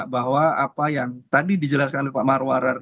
bahwa apa yang tadi dijelaskan oleh pak marwarar